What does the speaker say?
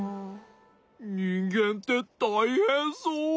にんげんってたいへんそう。